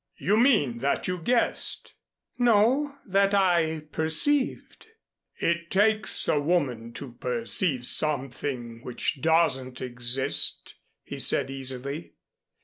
"You mean that you guessed?" "No, that I perceived." "It takes a woman to perceive something which doesn't exist," he said easily.